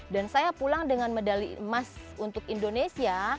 dan saya pulang dengan medali emas untuk indonesia